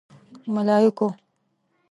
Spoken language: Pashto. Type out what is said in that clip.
_ملايکو!